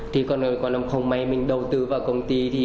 thì còn không may mình đầu tư vào công ty thì